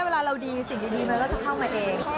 เวลาเราดีสิ่งดีมันก็จะเข้ามาเอง